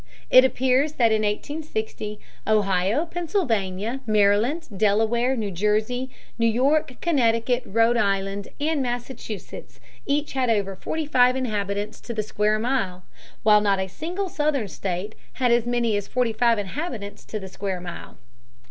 It appears that in 1860 Ohio, Pennsylvania, Maryland, Delaware, New Jersey, New York, Connecticut, Rhode Island, and Massachusetts each had over forty five inhabitants to the square mile, while not a single Southern state had as many as forty five inhabitants to the square mile.